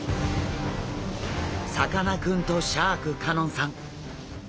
さかなクンとシャーク香音さん。